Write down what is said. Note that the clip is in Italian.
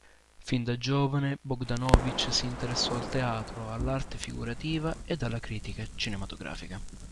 Fin da giovane Bogdanovich si interessò al teatro, all'arte figurativa ed alla critica cinematografica.